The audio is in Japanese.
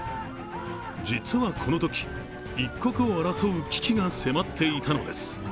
実はこのとき、一刻を争う危機が迫っていたのです。